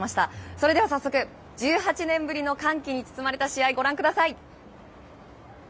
それでは早速１８年ぶりの歓喜に包まれた試合ご覧ください！